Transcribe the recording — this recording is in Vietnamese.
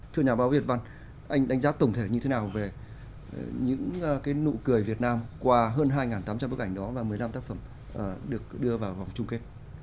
thưa nhà báo việt văn anh đánh giá tổng thể như thế nào về những nụ cười việt nam qua hơn hai tám trăm linh bức ảnh đó và một mươi năm tác phẩm được đưa vào vòng chung kết